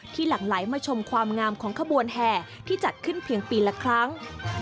หลั่งไหลมาชมความงามของขบวนแห่ที่จัดขึ้นเพียงปีละครั้ง